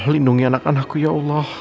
lindungi anak anakku ya allah